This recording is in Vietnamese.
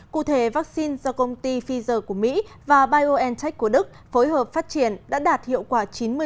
cụ thể vaccine do công ty pfizer của mỹ và biontech của đức phối hợp phát triển đã đạt hiệu quả chín mươi